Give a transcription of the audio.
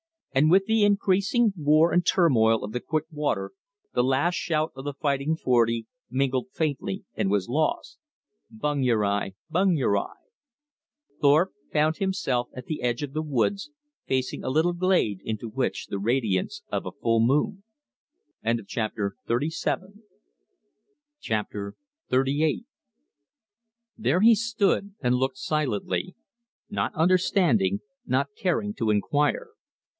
And with the increasing war and turmoil of the quick water the last shout of the Fighting Forty mingled faintly and was lost. "Bung yer eye! bung yer eye!" Thorpe found himself at the edge of the woods facing a little glade into which streamed the radiance of a full moon. Chapter XXXVIII There he stood and looked silently, not understanding, not caring to inquire.